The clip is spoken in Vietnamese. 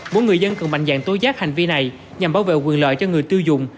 mỗi người dân cần mạnh dạng tố giác hành vi này nhằm bảo vệ quyền lợi cho người tiêu dùng